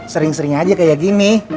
sering sering aja kayak gini